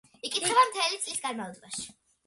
იკითხება მთელი წლის განმავლობაში.